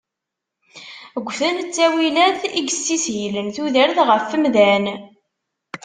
Ggten ttawilat i yessishilen tudert ɣef umdan.